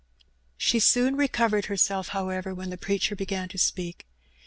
She soon recovered herself, however, when the preacher began to speak.